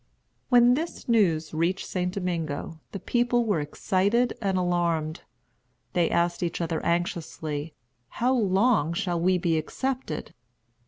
When this news reached St. Domingo, the people were excited and alarmed. They asked each other anxiously, "How long shall we be excepted?"